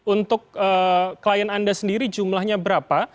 untuk klien anda sendiri jumlahnya berapa